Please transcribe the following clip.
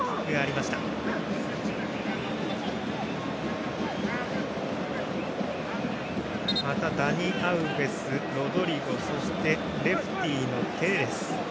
またダニ・アウベス、ロドリゴそして、レフティのテレス。